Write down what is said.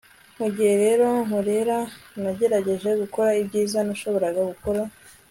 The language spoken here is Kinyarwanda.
mugihe rero nkurera nagerageje gukora ibyiza nashoboraga gukora